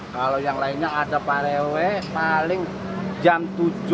kalau yang lainnya ada parewe paling jam tujuh jam delapan malam udah tutup